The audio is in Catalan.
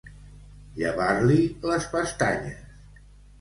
Llevar-li les pestanyes.